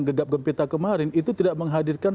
gegap gempita kemarin itu tidak menghadirkan